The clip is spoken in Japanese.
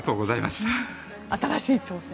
新しい挑戦。